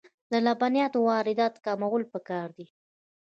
د لبنیاتو واردات کمول پکار دي